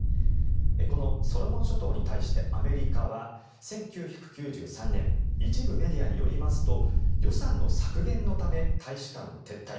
このソロモン諸島に対してアメリカは１９９３年一部メディアによりますと予算の削減のため大使館を撤退。